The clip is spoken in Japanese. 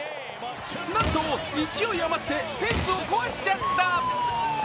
なんと、勢いあまってフェンスを壊しちゃった。